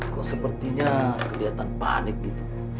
kok sepertinya kelihatan panik gitu